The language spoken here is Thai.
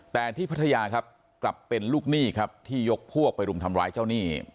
แต่ที่พัทยาครับกลับเป็นลูกหนี้ครับที่ยกพวกไปรุมทำร้ายเจ้าหนี้